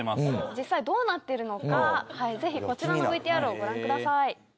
実際どうなっているのかぜひこちらのＶＴＲをご覧ください。